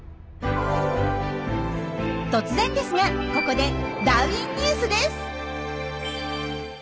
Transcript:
突然ですがここで「ダーウィンＮＥＷＳ」です。